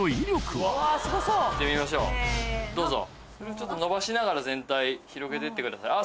ちょっとのばしながら全体広げてってください。